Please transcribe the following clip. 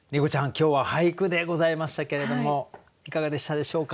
今日は俳句でございましたけれどもいかがでしたでしょうか？